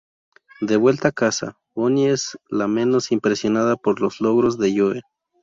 De vuelta a casa, Bonnie es la menos impresionada por los logros de Joe.